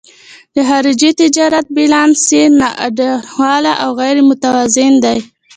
د خارجي تجارت بیلانس یې نا انډوله او غیر متوازن دی.